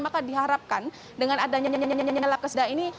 maka diharapkan dengan adanya nyalah kesedah ini